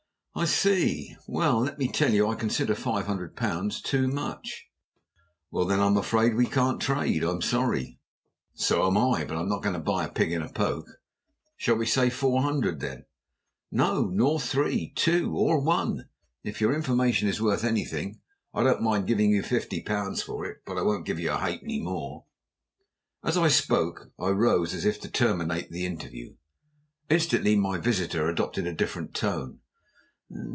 "I see. Well, let me tell you, I consider five hundred too much." "Well then I'm afraid we can't trade. I'm sorry." "So am I. But I'm not going to buy a pig in a poke." "Shall we say four hundred, then?" "No. Nor three two, or one. If your information is worth anything, I don't mind giving you fifty pounds for it. But I won't give a halfpenny more." As I spoke, I rose as if to terminate the interview. Instantly my visitor adopted a different tone.